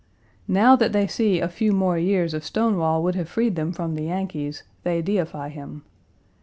Now, that they see a few more years of Stonewall would have freed them from the Yankees, they deify him.